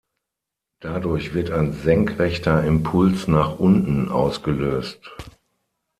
Dadurch wird ein senkrechter Impuls nach unten ausgelöst.